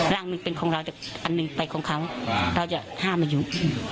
ร่างหนึ่งเป็นของเราแต่อันหนึ่งไปของเขาเราจะห้ามมาอยู่